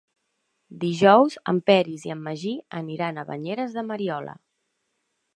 Dijous en Peris i en Magí aniran a Banyeres de Mariola.